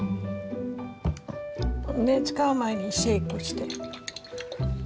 使う前にシェークして。